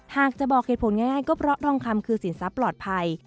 หากจะบอกเหตุผลง่ายก็เพราะทองคำคือสินทรัพย์ปลอดภัย